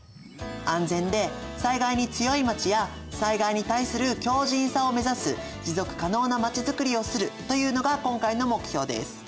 安全で災害に強いまちや災害に対する強靱さを目指す持続可能なまちづくりをするというのが今回の目標です。